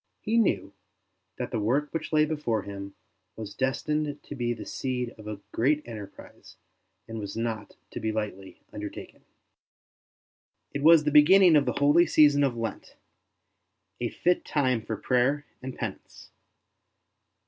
He knew that the work which lay before him was destined to be the seed of a great enterprise and was not to be lightly undertaken. It was the beginning of the holy season of Lent, a fit time for prayer and penance.